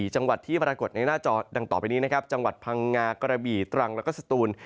จังหวัดที่ปรากฏในหน้าจอดังต่อไปนี้นะครับจังหวัดพังงากระบี่ตรังแล้วก็สตูน